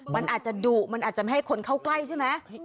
มันอาจจะดุมันอาจจะไม่ให้คนเข้าใกล้ใช่ไหม